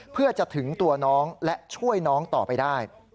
เพื่อจะถึงตัวน้องและช่วยน้องต่อไปได้